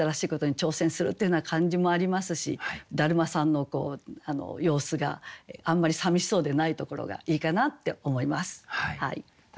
挑戦するっていうような感じもありますし達磨さんの様子があんまりさみしそうでないところがいいかなって思います。